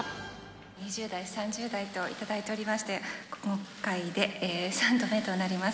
２０代、３０代と頂いておりまして、今回で３度目となります。